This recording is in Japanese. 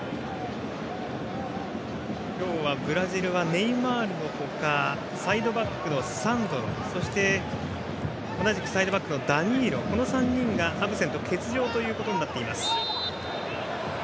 今日はブラジルはネイマールのほかサイドバックのサンドロそして同じくサイドバックのダニーロの３人が欠場となっています。